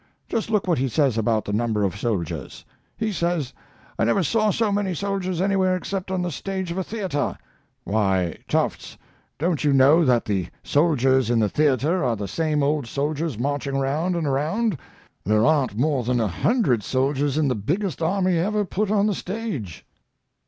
Just look what he says about the number of soldiers. He says, 'I never saw so many soldiers anywhere except on the stage of a theater.' Why, Tufts, don't you know that the soldiers in the theater are the same old soldiers marching around and around? There aren't more than a hundred soldiers in the biggest army ever put on the stage."